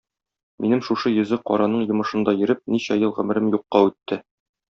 Минем шушы йөзе караның йомышында йөреп, ничә ел гомерем юкка үтте.